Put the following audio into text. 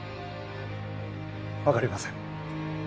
分かりません。